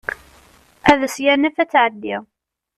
Ad as-yanef ad tɛeddi.